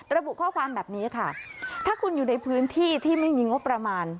ระบุข้อความแบบนี้ค่ะถ้าคุณอยู่ในพื้นที่ที่ไม่มีงบประมาณ